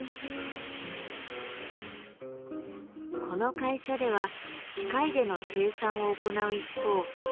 この会社では機械での生産を行う一方